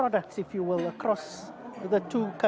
di dua negara